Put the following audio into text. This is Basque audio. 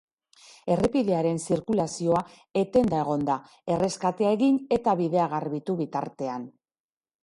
Errepidearen zirkulazioa etenda egon da, erreskatea egin eta bidea garbitu bitartean.